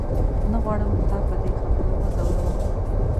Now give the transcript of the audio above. نه غواړم تا په دې خبرو وځوروم.